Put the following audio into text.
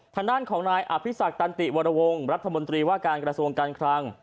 ทางด้านของนายอภิษักตันติวรวงรัฐมนตรีว่าการกระทรวงการคลัง